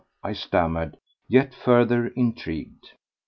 I stammered, yet further intrigued.